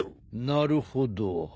なるほど。